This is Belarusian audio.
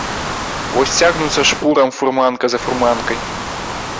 Вось цягнуцца шпурам фурманка за фурманкай.